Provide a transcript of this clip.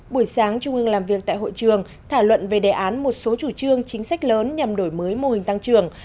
buổi sáng trung ương làm việc tại hội trường thảo luận về đề án một số chủ trương chính sách lớn nhằm đổi mới mô hình tăng trưởng